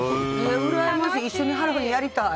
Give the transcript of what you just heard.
うらやましい一緒にハロウィーンやりたい。